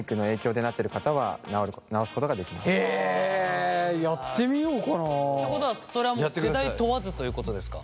へえやってみようかな。ってことはそれはもう世代問わずということですか？